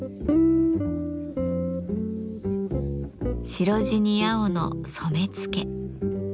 白地に青の染付。